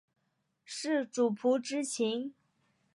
是主仆之情？